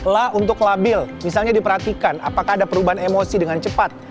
la untuk labil misalnya diperhatikan apakah ada perubahan emosi dengan cepat